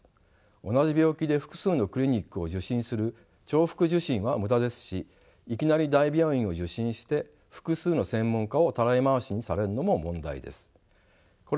同じ病気で複数のクリニックを受診する重複受診は無駄ですしいきなり大病院を受診して複数の専門科をたらい回しにされるのも問題です。